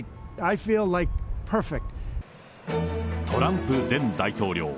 トランプ前大統領。